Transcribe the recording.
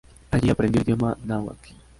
Allí aprendió el idioma náhuatl.